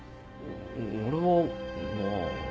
俺はまぁ。